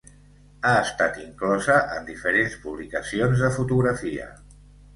Ha estat inclosa en diferents publicacions de fotografia.